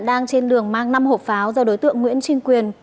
đang trên đường mang năm hộp pháo do đối tượng nguyễn trinh quyền